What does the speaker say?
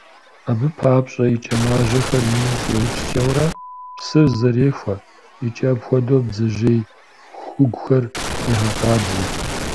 Абы папщӀэ и кӀэмажьэхэр ину щӀиупскӀэурэ, псыр зэрехуэ икӀи апхуэдэу бдзэжьей хугухэр егъэкъабзэ.